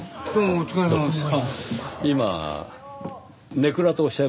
お疲れさまでした。